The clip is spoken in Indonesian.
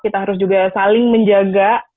kita harus juga saling menjaga